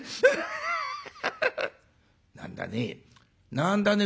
「何だね。